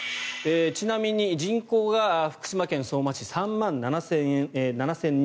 ちなみに、人口が福島県相馬市はおよそ３万７０００人。